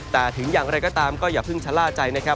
แต่ถึงอย่างไรก็ตามก็อย่าเพิ่งชะล่าใจนะครับ